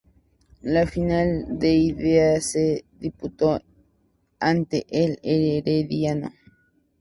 La final de ida se disputó ante el Herediano.